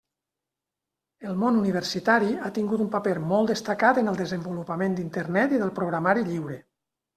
El món universitari ha tingut un paper molt destacat en el desenvolupament d'Internet i del programari lliure.